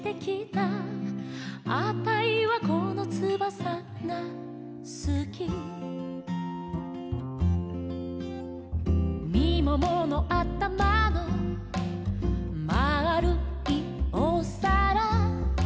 「あたいはこのつばさがすき」「みもものあたまのまあるいおさら」